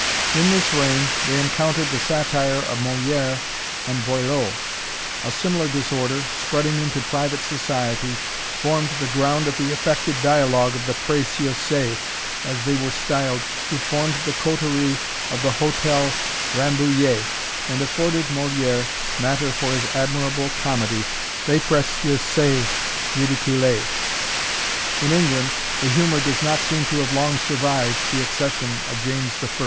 In this reign they encountered the satire of Moliere and Boileau. A similar disorder, spreading into private society, formed the ground of the affected dialogue of the Praecieuses, as they were styled, who formed the coterie of the Hotel de Rambouillet, and afforded Moliere matter for his admirable comedy, Les Praecieuses Ridicules. In England, the humour does not seem to have long survived the accession of James I.